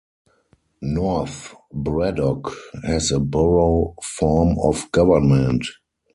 North Braddock has a borough form of government.